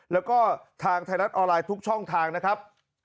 แล้วก็ทางไทยรัฐออนไลน์ทุกช่องทางนะครับ